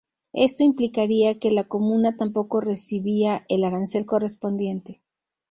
Esto implicaría que la comuna tampoco recibía el arancel correspondiente.